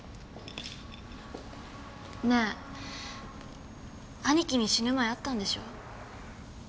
ねえ兄貴に死ぬ前会ったんでしょ？